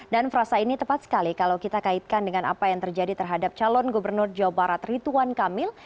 dan frasa ini tepat sekali kalau kita kaitkan dengan apa yang terjadi terhadap calon gubernur jawa barat rituan kamil